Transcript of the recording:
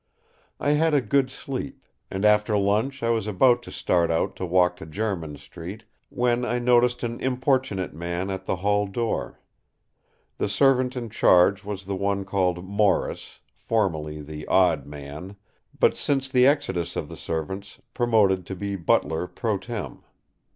I had a good sleep, and after lunch I was about to start out to walk to Jermyn Street, when I noticed an importunate man at the hall door. The servant in charge was the one called Morris, formerly the "odd man," but since the exodus of the servants promoted to be butler pro tem.